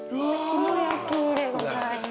きも焼きでございます。